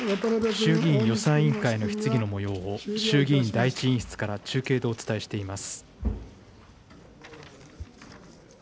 衆議院予算委員会の質疑のもようを衆議院第１委員室から中継でお伝えしています。